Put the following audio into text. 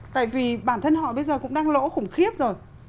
tại vì bản thân họ bây giờ cũng đang lỗ khủng khiếp rồi